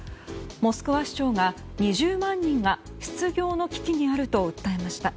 モスクワ市長が２０万人が失業の危機にあると訴えました。